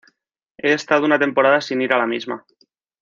He estado una temporada sin ir a la misma